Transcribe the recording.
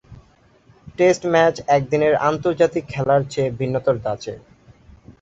Test match একদিনের আন্তর্জাতিক খেলার চেয়ে ভিন্নতর ধাঁচের।